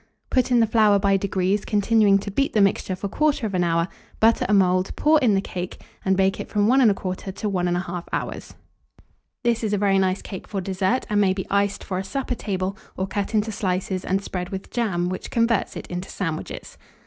Put in the flour by degrees, continuing to beat the mixture for 1/4 hour, butter a mould, pour in the cake, and bake it from 1 1/4 to 1 1/2 hour. This is a very nice cake for dessert, and may be iced for a supper table, or cut into slices and spread with jam, which converts it into sandwiches.